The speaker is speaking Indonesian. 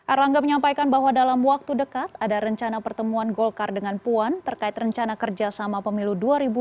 erlangga menyampaikan bahwa dalam waktu dekat ada rencana pertemuan golkar dengan puan terkait rencana kerjasama pemilu dua ribu dua puluh